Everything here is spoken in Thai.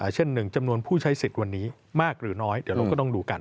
เช่นหนึ่งจำนวนผู้ใช้สิทธิ์วันนี้มากหรือน้อยเดี๋ยวเราก็ต้องดูกัน